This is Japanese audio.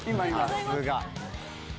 さすが。